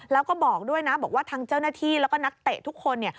แล้วก็บอกด้วยนะบอกว่าทางเจ้าหน้าที่แล้วก็นักเตะทุกคนเนี่ย